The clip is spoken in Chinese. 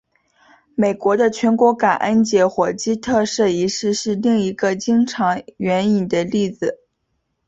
美国的全国感恩节火鸡特赦仪式是另一个经常援引的例子。